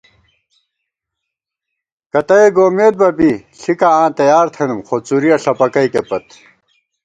کتَّہ ئے گومېت بہ بی ݪِکاں آں تیار تھنَئیم خو څُرِیَہ ݪَپَکَئیکےپت